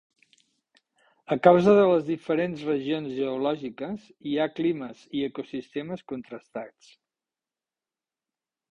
A causa de les diferents regions geològiques, hi ha climes i ecosistemes contrastats.